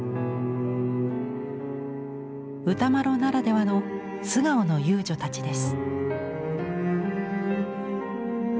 歌麿ならではの素顔の遊女たちです。